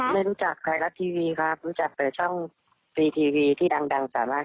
ไม่รู้จักไทยรัฐทีวีครับรู้จักแต่ช่องฟรีทีวีที่ดังสามารถ